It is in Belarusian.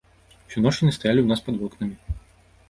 Усю ноч яны стаялі ў нас пад вокнамі.